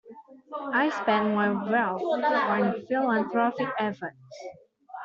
I spend my wealth on philanthropic efforts.